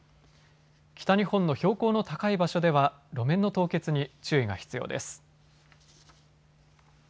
北日本の標高の高い場所では路面の凍結に注意が必要です。